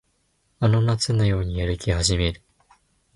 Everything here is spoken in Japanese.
あの夏のように歩き始める